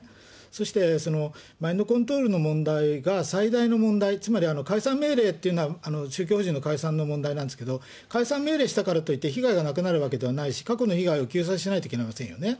そしてマインドコントロールの問題が最大の問題、つまり解散命令というのは宗教法人の解散の問題なんですけど、解散命令したからといって被害がなくなるわけではないし、過去の被害を救済しないといけないですよね。